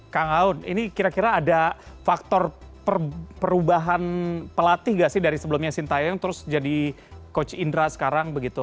kang aun ini kira kira ada faktor perubahan pelatih gak sih dari sebelumnya sintayong terus jadi coach indra sekarang begitu